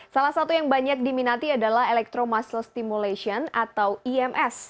salah satu yang banyak diminati adalah electro muscle stimulation atau ims